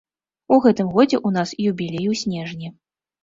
У гэтым годзе ў нас юбілей у снежні.